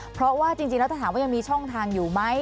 เพราะว่าจริงแล้วถ้าถามว่ายังมีช่องทางอยู่ไหม